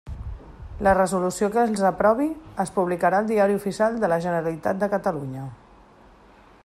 La resolució que els aprovi es publicarà al Diari Oficial de la Generalitat de Catalunya.